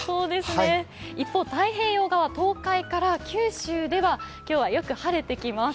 一方、太平洋側、東海から九州では今日はよく晴れてきます。